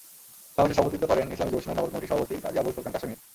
সমাবেশে সভাপতিত্ব করেন ইসলামী যুবসেনার নগর কমিটির সভাপতি কাজী আবুল ফোরকান কাশেমী।